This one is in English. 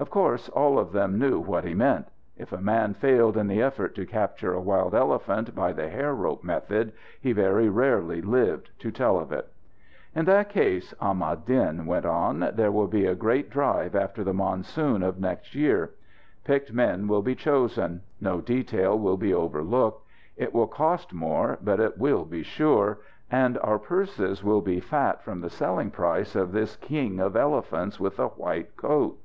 Of course all of them knew what he meant. If a man failed in the effort to capture a wild elephant by the hair rope method, he very rarely lived to tell of it. "In that case," Ahmad Din went on, "there will be a great drive after the monsoon of next year. Picked men will be chosen. No detail will be overlooked. It will cost more, but it will be sure. And our purses will be fat from the selling price of this king of elephants with a white coat!"